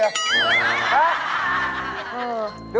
ดูอารมณ์ด้วยนะบอล